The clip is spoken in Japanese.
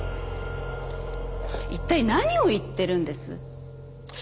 一体何を言ってるんです？